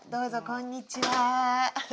こんにちは。